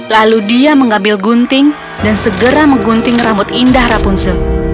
lalu dia mengambil gunting dan segera menggunting rambut indah rapunzel